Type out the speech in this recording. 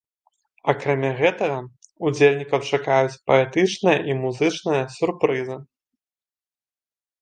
Акрамя гэтага, удзельнікаў чакаюць паэтычныя і музычныя сюрпрызы.